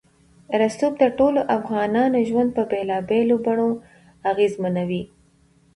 رسوب د ټولو افغانانو ژوند په بېلابېلو بڼو اغېزمنوي.